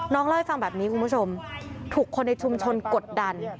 เล่าให้ฟังแบบนี้คุณผู้ชมถูกคนในชุมชนกดดัน